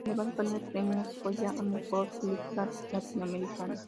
Además ganó el premio Goya a mejor película Latinoamericana.